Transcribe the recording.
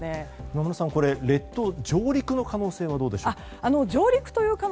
今村さん、列島上陸の可能性はどうでしょうか。